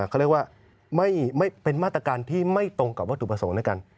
เขาเรียกว่าเป็นมาตรการที่ไม่ตรงกับวัตถุประสงค์ด้วยกัน